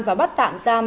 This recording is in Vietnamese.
và bắt tạm giam